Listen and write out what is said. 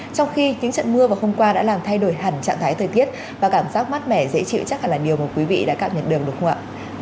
trong khi những trận mưa vào hôm qua đã làm thay đổi hẳn trạng thái thời tiết và cảm giác mát mẻ dễ chịu chắc hẳn là điều mà quý vị đã cảm nhận được đúng không ạ